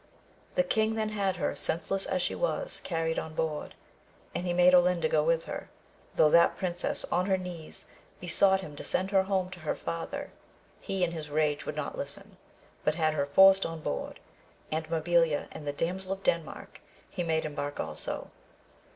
The king then had her, senseless as she was, carried on board, and he made Olinda go with her, though that princess on her knees besought him to send her home to her father, he in his rage would not listen, but had her forced on board, and Mabilia and the Damsel of Denmark he made embark also.